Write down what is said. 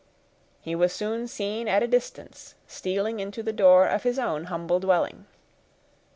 He was soon seen at a distance, stealing into the door of his own humble dwelling.